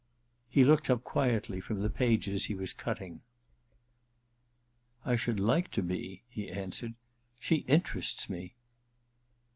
He looked up quietly from the pages he was cutting. *I should like to be,' he answered. 'She interests me.'